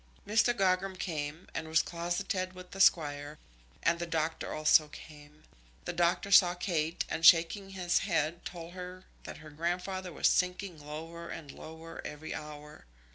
Mr. Gogram came and was closeted with the Squire, and the doctor also came. The doctor saw Kate, and, shaking his head, told her that her grandfather was sinking lower and lower every hour.